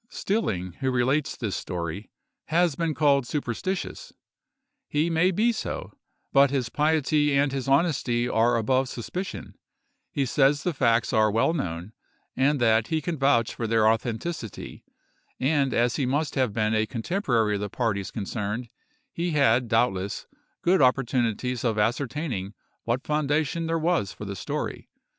Stilling, who relates this story, has been called superstitious; he may be so; but his piety and his honesty are above suspicion; he says the facts are well known, and that he can vouch for their authenticity; and as he must have been a contemporary of the parties concerned, he had, doubtless, good opportunities of ascertaining what foundation there was for the story.